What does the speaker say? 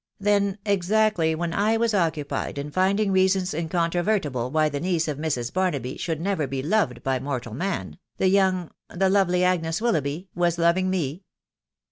" Then, exactly when I was occupied in finding reasons in controvertible why the niece of Mrs. Barnaby should never be loved by mortal man, the young, the lovely Agnes Willoughby was loving me